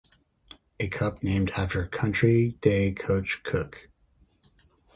The cup named after Country Day coach Cook.